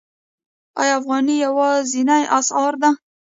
آیا افغانۍ یوازینۍ اسعار ده؟